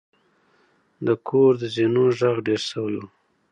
د کور د زینو غږ ډیر شوی و.